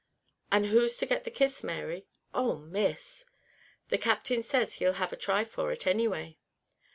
"And who's to get the kiss, Mary?" "Oh, Miss!" "The Captain says he'll have a try for it anyway."